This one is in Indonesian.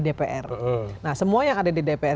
dpr nah semua yang ada di dpr